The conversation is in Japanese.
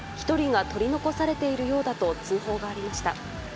１人が取り残されているようだと通報がありました。